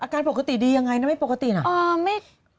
อาการปกติดียังไงนะไม่ปกติน่ะอ่าไม่